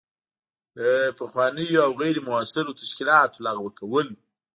د پخوانیو او غیر مؤثرو تشکیلاتو لغوه کول.